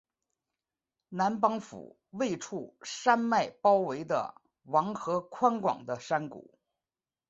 南邦府位处山脉包围的王河宽广的山谷。